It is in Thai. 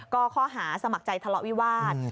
ก็ข้อหาสมัครใจทะเลาะวิวาส